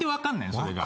それが。